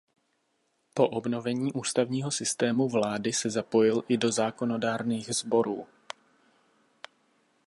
Po obnovení ústavního systému vlády se zapojil i do zákonodárných sborů.